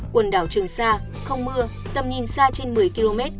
quần đảo trường sa không mưa tầm nhìn xa trên một mươi km